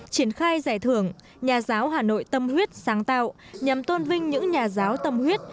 triển khai giải thưởng nhà giáo hà nội tâm huyết sáng tạo nhằm tôn vinh những nhà giáo tâm huyết